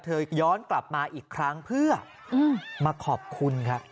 ย้อนกลับมาอีกครั้งเพื่อมาขอบคุณครับ